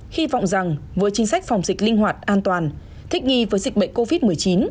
hy vọng rằng với chính sách phòng dịch linh hoạt an toàn thích nghi với dịch bệnh covid một mươi chín